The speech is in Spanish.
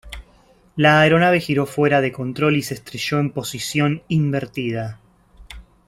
La aeronave giró fuera de control y se estrelló en posición invertida.